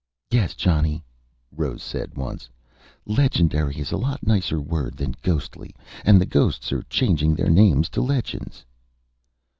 "Yes, Johnny," Rose said once. "'Legendary' is a lot nicer word than 'ghostly'. And the ghosts are changing their name to legends."